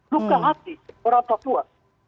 luka hati orang papua